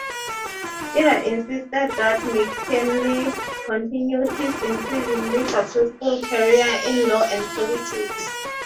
Ida insisted that McKinley continue his increasingly successful career in law and politics.